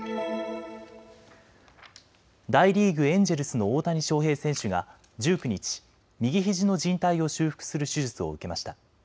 大リーグ、エンジェルスの大谷翔平選手が１９日、右ひじのじん帯を修復する手術を受けました。